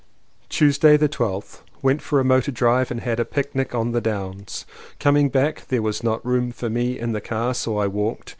Tuesday the 12th. Went for a motor drive and had a picnic on the downs. Coming back there was not room for me in the car so I walked.